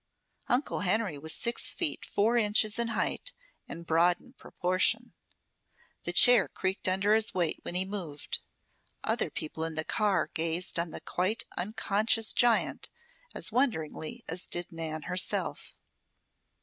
Uncle Henry was six feet, four inches in height and broad in proportion. The chair creaked under his weight when he moved. Other people in the car gazed on the quite unconscious giant as wonderingly as did Nan herself.